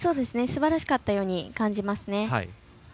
すばらしかったように感じますね。